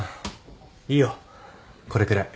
いいよこれくらい。